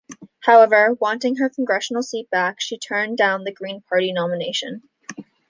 However, wanting her congressional seat back, she turned down the Green Party nomination.